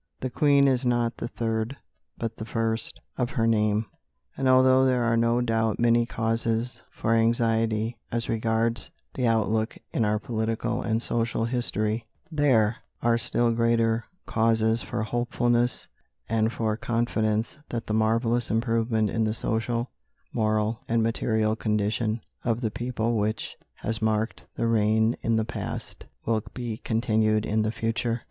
The Queen is not the third, but the first of her name, and although there are no doubt many causes for anxiety as regards the outlook in our political and social history, yet there are still greater causes for hopefulness and for confidence that the marvellous improvement in the social, moral, and material condition of the people which has marked the reign in the past will be continued in the future.